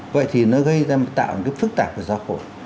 vậy thì nó gây ra tạo cái phức tạp của xã hội